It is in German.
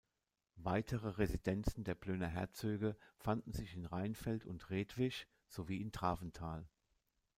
Weitere Residenzen der Plöner Herzöge fanden sich in Reinfeld und Rethwisch, sowie in Traventhal.